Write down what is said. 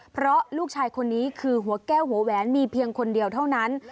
เพราะลูกชายคนนี้คือหัวแก้วหัวแหวนมีเพียงคนเดียวเท่านั้น